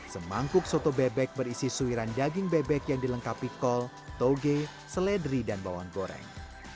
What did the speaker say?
semangkuk soto bebek berisi suiran daging bebek yang dilengkapi kol toge seledri dan bawang goreng